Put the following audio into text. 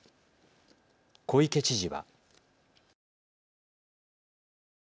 小池知事は。